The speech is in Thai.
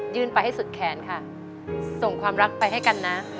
ไปให้สุดแขนค่ะส่งความรักไปให้กันนะ